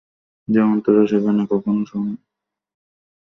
যেন তারা সেখানে কখনও বসবাসই করেনি।